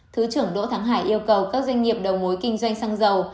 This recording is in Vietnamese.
thứ trưởng đỗ thắng hải yêu cầu các doanh nghiệp đầu mối kinh doanh xăng dầu